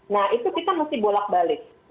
nah itu kita mesti bolak balik